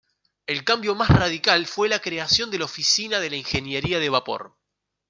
El cambio más radical fue la creación de la Oficina de Ingeniería de Vapor.